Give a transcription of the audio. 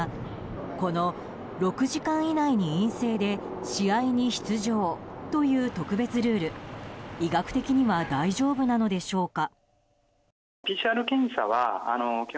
この６時間以内に陰性で試合に出場という特別ルール、医学的には大丈夫なのでしょうか。